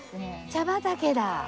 茶畑だ。